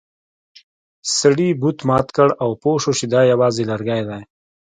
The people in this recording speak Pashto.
سړي بت مات کړ او پوه شو چې دا یوازې لرګی دی.